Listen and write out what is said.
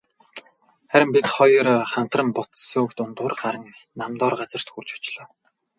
Харин бид хоёр хамтран бут сөөг дундуур гаран нам доор газарт хүрч очлоо.